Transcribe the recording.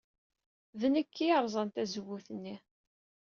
D nekk ay yerẓan tazewwut-nni.